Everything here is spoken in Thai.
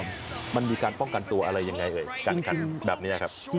มันมีการป้องกันตัวอะไรอย่างไร